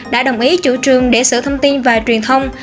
đã đồng ý chủ trương để sửa thông tin và truyền thông